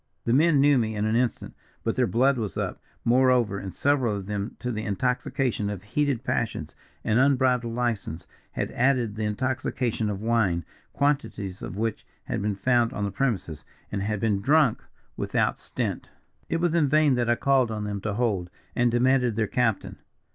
"The men knew me in an instant, but their blood was up, moreover; and several of them to the intoxication of heated passions and unbridled license had added the intoxication of wine; quantities of which had been found on the premises, and had been drunk without stint. "It was in vain that I called on them to hold, and demanded their captain.